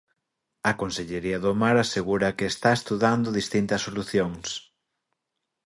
A Consellería do Mar asegura que está estudando distintas solucións.